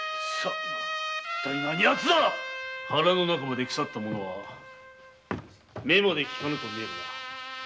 腹の中まで腐った者は目まで利かぬとみえるな。